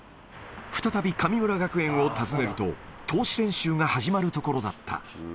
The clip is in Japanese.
再び神村学園を訪ねると、通し練習が始まるところだった。